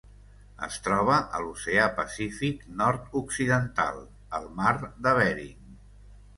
Es troba a l'Oceà Pacífic nord-occidental: el Mar de Bering.